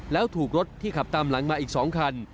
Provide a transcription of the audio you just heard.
แล้วถูกรถที่ขับตามหลังมาอีก๒คัน